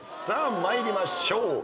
さあ参りましょう。